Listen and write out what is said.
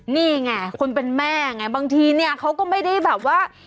นี่ไงคนเป็นแม่ไงบางทีเนี่ยเขาก็ไม่ได้แบบว่า